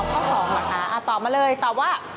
อ๋อข้อ๒น่ะตอบมาเลยตอบว่า